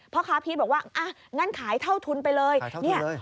พ่อค้าพีชบอกว่างั้นขายเท่าทุนไปเลย